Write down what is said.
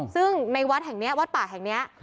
ซึ่งในวัดแห่งนี้วัดป่าแห่งนี้